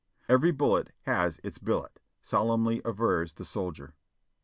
" 'Every bullet has its billet,' " solemnly avers the soldier.